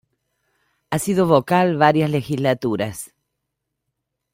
Ha sido vocal varias legislaturas.